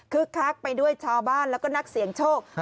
คักไปด้วยชาวบ้านแล้วก็นักเสี่ยงโชค